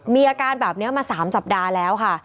มีอาการแบบนี้มา๓สัปดาห์แล้วค่ะ